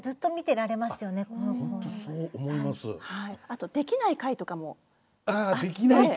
あとできない回とかもあって。